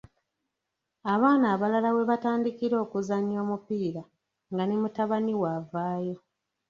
Abaana abalala we batandikira okuzannya omupiira nga ne mutabani wo avaayo.